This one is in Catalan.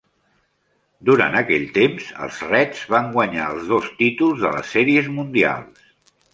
Durant aquell temps, els Reds van guanyar els dos títols de les Sèries Mundials.